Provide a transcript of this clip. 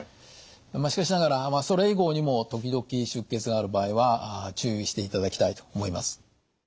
しかしながらそれ以後にも時々出血がある場合は注意していただきたいと思います。